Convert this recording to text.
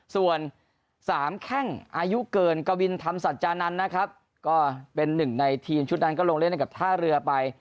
ส่วน๓แข้งอายุเกินกวินธรรมสัจจานันทร์นะครับก็เป็นหนึ่งในทีมชุดนั้นก็ลงเล่นให้กับท่าเรือไป